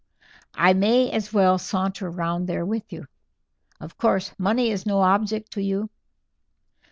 I may as well saunter round there with you. Of course money is no object to you?"